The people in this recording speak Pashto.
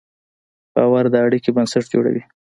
باور د اړیکې بنسټ جوړوي.